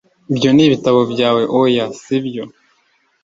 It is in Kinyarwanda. Ibyo ni ibitabo byawe Oya si byo